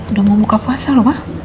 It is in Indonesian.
udah mau buka puasa lho pak